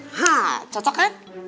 hah cocok kan